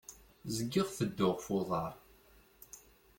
Zgiɣ tedduɣ f uḍaṛ.